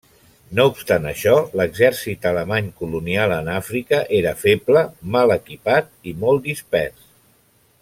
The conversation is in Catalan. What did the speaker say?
No obstant això, l'exèrcit alemany colonial en Àfrica era feble, mal equipat i molt dispers.